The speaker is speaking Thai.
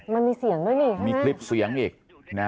มันมีเสียงด้วยมั้ยนะ